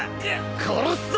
殺すぞ！